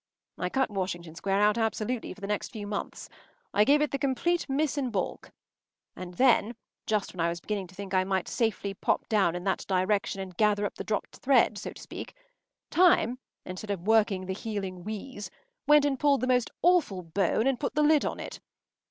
I cut Washington Square out absolutely for the next few months. I gave it the complete miss in baulk. And then, just when I was beginning to think I might safely pop down in that direction and gather up the dropped threads, so to speak, time, instead of working the healing wheeze, went and pulled the most awful bone and put the lid on it.